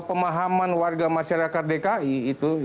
pemahaman warga masyarakat dki itu